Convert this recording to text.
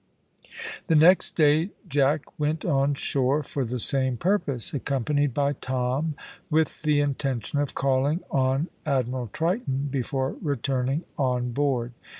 The next day Jack went on shore for the same purpose, accompanied by Tom, with the intention of calling on Admiral Triton before returning on board.